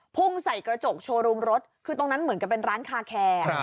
พุ่งใส่กระจกโชว์รูมรถคือตรงนั้นเหมือนกับเป็นร้านคาแคร์